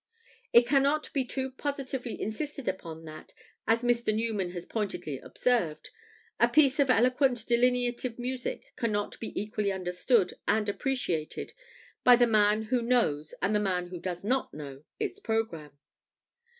It cannot be too positively insisted upon that, as Mr. Newman has pointedly observed, a piece of eloquent delineative music cannot be equally understood and appreciated by the man who knows and the man who does not know its programme.